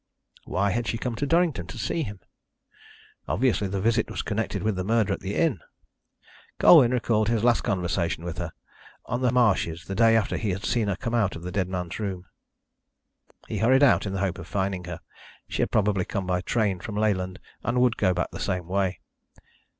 Why had she come to Durrington to see him? Obviously the visit was connected with the murder at the inn. Colwyn recalled his last conversation with her on the marshes the day after he had seen her come out of the dead man's room. He hurried out in the hope of finding her. She had probably come by train from Leyland, and would go back the same way.